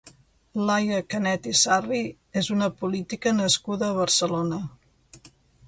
Laia Canet i Sarri és una política nascuda a Barcelona.